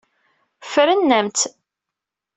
Ffren-am-tt.